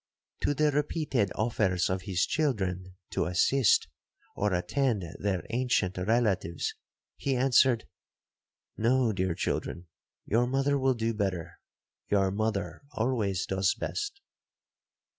To the repeated offers of his children to assist or attend their ancient relatives, he answered, 'No, dear children, your mother will do better,—your mother always does best.'